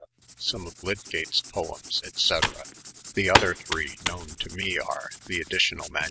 some of Lydgato's Poems, &o.; the other three known to me are, the Additional MS.